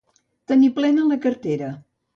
Tenir plena la cartera.